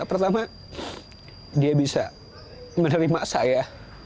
pertama dia bisa menerima saya